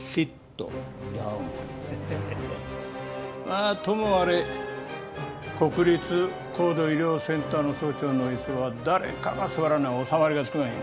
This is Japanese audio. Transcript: まあともあれ国立高度医療センターの総長の椅子は誰かが座らな収まりがつきまへん。